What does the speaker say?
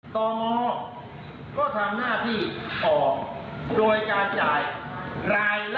ตงก็ทำหน้าที่ออกโดยการจ่ายรายละ